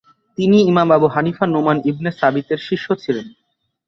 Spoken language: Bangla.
তিনি ইমাম আবু হানিফা নোমান ইবনে সাবিতের শিষ্য ছিলেন।